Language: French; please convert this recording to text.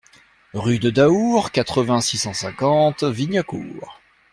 Rue de Daours, quatre-vingts, six cent cinquante Vignacourt